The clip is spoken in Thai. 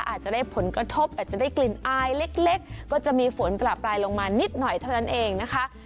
อาจจะได้ผลกระทบอาจจะได้กลิ่นอายเล็กก็จะมีฝนประปรายลงมานิดหน่อยเท่านั้นเองนะคะ